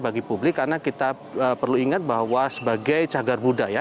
bagi publik karena kita perlu ingat bahwa sebagai cagar budaya ya